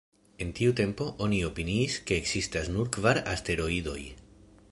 En tiu tempo, oni opiniis ke ekzistas nur kvar asteroidoj.